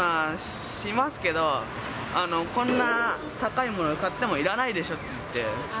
しますけど、こんな高いもの買ってもいらないでしょって言って。